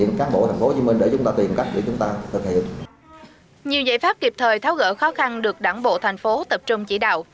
nhiều giải pháp kịp thời tháo gỡ khó khăn được đảng bộ thành phố tập trung chỉ đạo